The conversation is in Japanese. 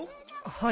はい。